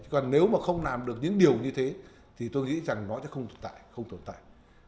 còn nếu mà không làm được những điều như thế thì tôi nghĩ rằng nó sẽ không tồn tại